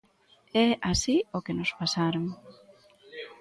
É así o que nos pasaron.